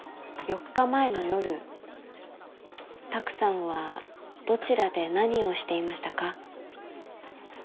４日前の夜拓さんはどちらで何をしていましたか？